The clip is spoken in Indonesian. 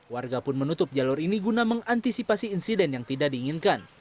warga pun menutup jalur ini guna mengantisipasi insiden yang tidak diinginkan